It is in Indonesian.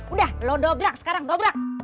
udah lo dobrak sekarang dobrak